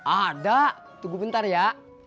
ada tunggu bentar ya